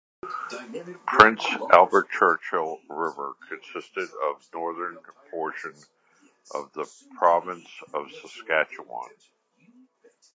Prince Albert-Churchill River consisted of the northern portion of the Province of Saskatchewan.